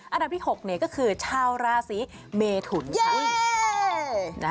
อันดับที่๖เนี่ยก็คือชาวราศรีเมทุนใช่ไหม